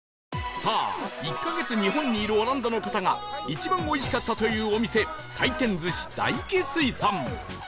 さあ１カ月日本にいるオランダの方が一番おいしかったというお店回転寿司大起水産